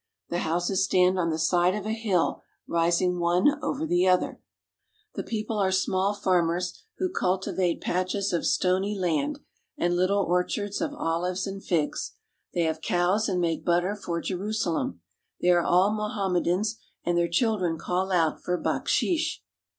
The houses stand on the side of a hill, rising one over the other. The people are small farmers who cultivate patches of stony land and little orchards of olives and figs. They have cows and make butter for Jerusalem. They are all Mohammedans, and their chil dren call out for baksheesh.